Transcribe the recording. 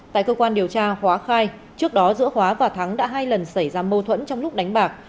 tại cơ quan điều tra hóa khai trước đó giữa khóa và thắng đã hai lần xảy ra mâu thuẫn trong lúc đánh bạc